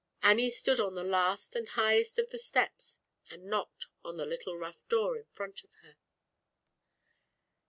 Annie stood on the last d highest of the steps and knocked on the little rough door in front of her.